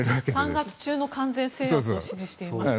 ３月中の完全制圧を指示していますね。